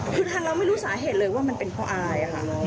คือเราไม่รู้สาเหตุเลยว่ามันเป็นเพราะอายค่ะ